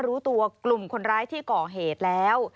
รู้ตัวกลุ่มคนร้ายที่ก่อเหตุแล้ว